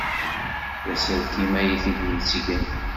D aselkim ay t-id-yettgen.